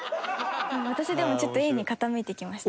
私でもちょっとＡに傾いてきました。